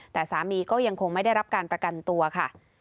แต่สามีก็ยังคงไม่ได้รับการประกันตัวค่ะ